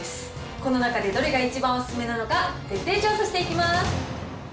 この中でどれが一番お勧めなのか、徹底調査していきます。